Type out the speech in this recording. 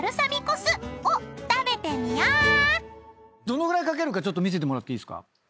どのぐらい掛けるかちょっと見せてもらっていいですか？